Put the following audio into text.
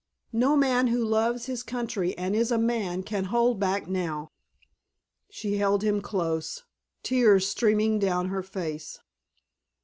No man who loves his country and is a man can hold back now!" She held him close, tears streaming down her face.